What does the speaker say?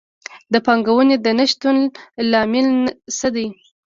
د پانګونې د نه شتون لامل څه دی؟